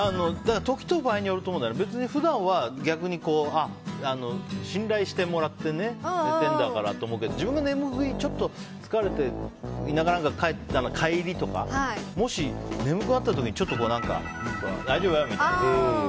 時と場合によると思うんだけど普段は逆に、信頼してもらって寝てるんだからと思うけど自分が眠い、ちょっと疲れて帰りとか眠くなってる時に大丈夫？みたいな。